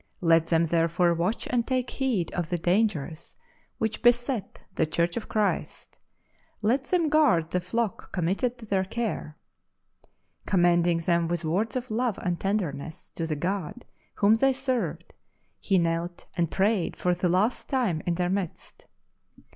Let them therefore watch and take heed of the dangers which beset the Church of Christ; let them guard the flock committed to their care. Commending them with words of love and tenderness to the God whom they served, he knelt and prayed for the last time in their midst.